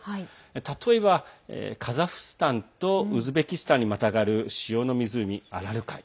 例えば、カザフスタンとウズベキスタンにまたがる塩の湖、アラル海。